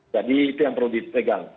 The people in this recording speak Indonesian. jadi itu yang perlu ditegang